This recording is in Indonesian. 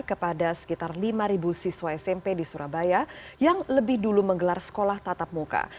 kepada sekitar lima siswa smp di surabaya yang lebih dulu menggelar sekolah tatap muka